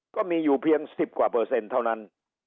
ก็มีอยู่เพียง๑๐กว่าเปอร์เซ็นต์เท่านั้น